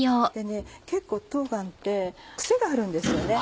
結構冬瓜って癖があるんですよね。